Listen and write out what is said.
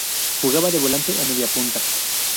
Jugaba de volante o mediapunta.